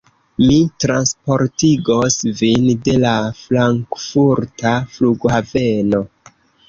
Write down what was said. Mi transportigos vin de la Frankfurta flughaveno.